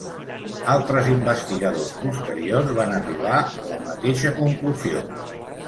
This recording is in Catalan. Altres investigadors posteriors van arribar a la mateixa conclusió.